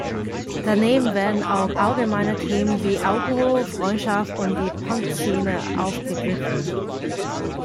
Daneben werden auch allgemeine Themen wie Alkohol, Freundschaft und die Punkszene aufgegriffen.